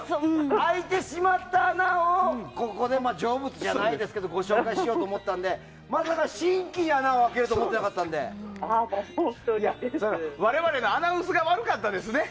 開いてしまった穴をここで成仏じゃないですけどご紹介しようと思ったのでまさか新規に穴を開けると我々のアナウンスが悪かったですね。